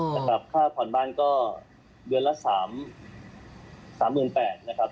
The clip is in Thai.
แต่กับค่าผ่อนบ้านก็เดือนละ๓๘๐๐๐บาทนะครับ